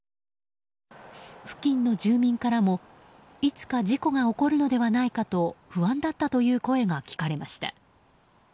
付近の住民からも、いつか事故が起こるのではないかと不安だったという声が聞かれました。